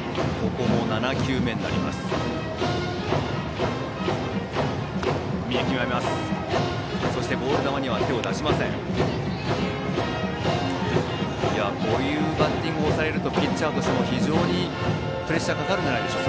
こういうバッティングをされるとピッチャーとしても非常にプレッシャーがかかるんじゃないですか。